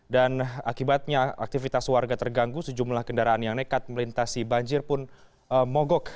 dan akibatnya aktivitas warga terganggu sejumlah kendaraan yang nekat melintasi banjir pun mogok